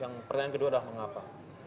yang pertanyaan kedua adalah mengapa